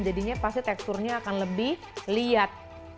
jadinya pasti teksturnya akan lebih lihat